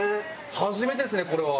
初めてですねこれは。